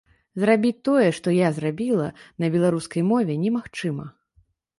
Зрабіць тое, што я зрабіла, на беларускай мове было немагчыма.